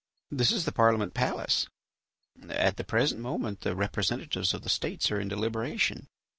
This is the Parliament palace. At the present moment the representatives of the States are in deliberation.